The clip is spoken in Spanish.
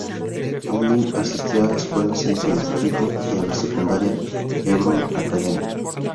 Hamlin asistió a escuelas en su distrito y a la secundaria Hebron Academy.